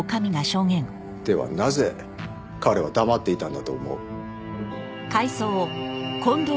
ではなぜ彼は黙っていたんだと思う？